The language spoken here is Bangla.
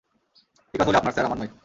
এই কথাগুলি আপনার, স্যার, আমার নই।